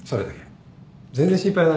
全然心配ないよ。